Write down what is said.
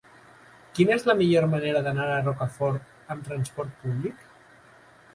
Quina és la millor manera d'anar a Rocafort amb transport públic?